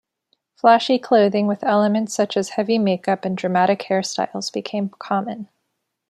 Flashy clothing with elements such as heavy makeup and dramatic hairstyles became common.